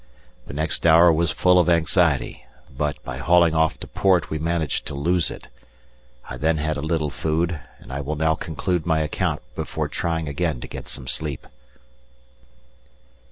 The next hour was full of anxiety, but by hauling off to port we managed to lose it. I then had a little food, and I will now conclude my account before trying again to get some sleep.